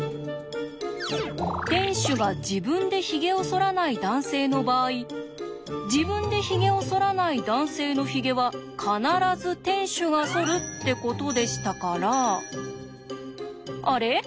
店主が自分でヒゲをそらない男性の場合自分でヒゲをそらない男性のヒゲは必ず店主がそるってことでしたからあれ？